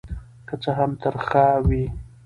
که څه هم ترخه وي.